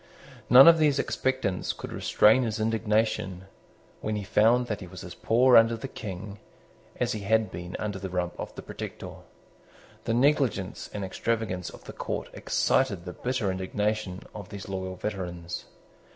None of these expectants could restrain his indignation, when he found that he was as poor under the King as he had been under the Rump or the Protector. The negligence and extravagance of the court excited the bitter indignation of these loyal veterans.